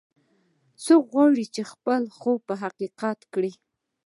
څوک غواړي چې خپل خوب حقیقت کړي